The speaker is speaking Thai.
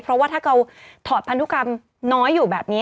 เพราะว่าถ้าเขาถอดพันธุกรรมน้อยอยู่แบบนี้